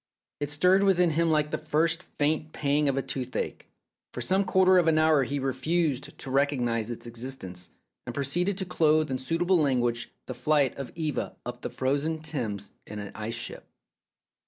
It stirred within him like the first faint pang of a toothache. For some quarter of an hour he refused to recognize its existence, and proceeded to clothe in suitable language the flight of Eva up the frozen Thames in an ice ship.